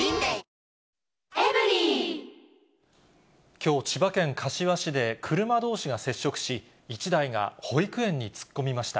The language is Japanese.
きょう、千葉県柏市で車どうしが接触し、１台が保育園に突っ込みました。